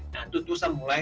nah itu saya mulai